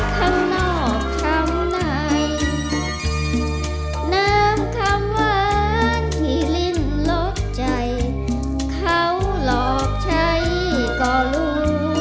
เขาหลอกใช้ก็รู้